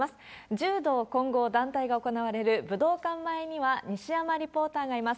柔道混合団体が行われる武道館前には、西山リポーターがいます。